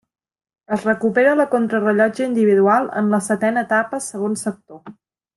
Es recupera la contrarellotge individual, en la setena etapa, segon sector.